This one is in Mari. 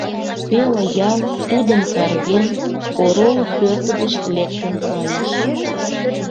Пел ял, тудым карген, орол пӧрт гыч лектын кайыш.